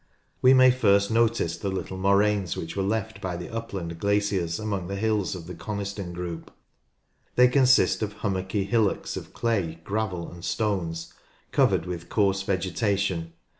We may first notice the little moraines which were left by the upland glaciers among the hills of the Coniston group. They consist of hummocky hillocks of clay, gravel, and stones, covered with coarse vegetation.